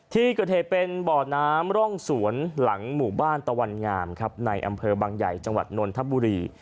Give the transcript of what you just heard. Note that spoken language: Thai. ที่เกิดเหตุเป็นบ่อน้ำร่องสวนหลังหมู่บ้านตะวันงามครับในอำเภอบางใหญ่จังหวัดนนทบุรี